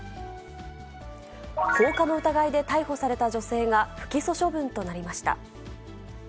放火の疑いで逮捕された女性が、不起訴処分となりました。